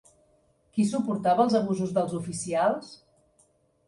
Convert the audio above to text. Qui suportava els abusos dels oficials?